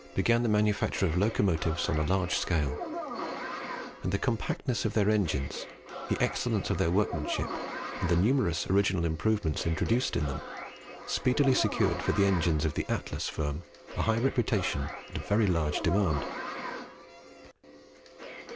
began the manufacture of locomotives on a large scale; and the compactness of their engines, the excellence of their workmanship, and the numerous original improvements introduced in them, speedily secured for the engines of the Atlas firm a high reputation and a very large demand.